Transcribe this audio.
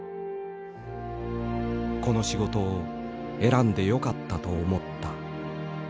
この仕事を選んでよかったと思った。